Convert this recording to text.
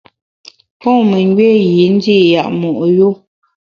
Pon memgbié yî ndi’ yap mo’ yu.